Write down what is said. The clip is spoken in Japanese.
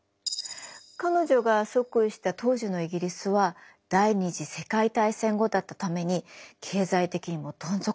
彼女が即位した当時のイギリスは第２次世界大戦後だったために経済的にもどん底。